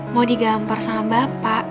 mau digampar sama bapak